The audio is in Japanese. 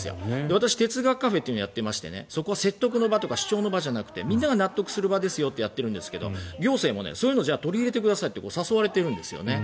私、哲学カフェっていうのをやっていましてそこは説得の場とか主張の場じゃなくてみんなが納得する場ですよってやっているんですけど行政もそういうのをやってくださいって誘われているんです。